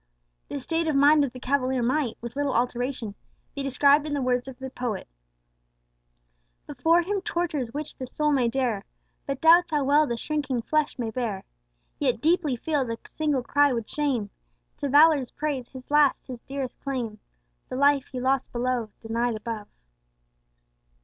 The state of mind of the cavalier might, with little alteration, be described in the words of the poet: "Before him tortures which the soul may dare, But doubts how well the shrinking flesh may bear, Yet deeply feels a single cry would shame To valour's praise his last, his dearest claim. The life he lost below denied above.